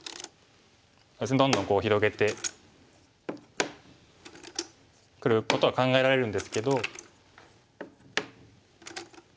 どんどんこう広げてくることは考えられるんですけど。